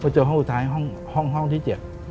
เจอห้องท้ายห้องที่เจ็ด